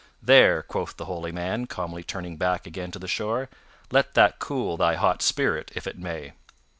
"There," quoth the holy man, calmly turning back again to the shore, "let that cool thy hot spirit, if it may."